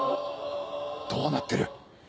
どうなってる？